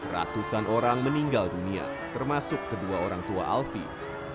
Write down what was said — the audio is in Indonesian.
ratusan orang meninggal dunia termasuk kedua orang tua alfie